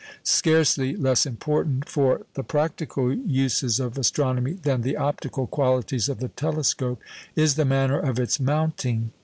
Scarcely less important for the practical uses of astronomy than the optical qualities of the telescope is the manner of its mounting.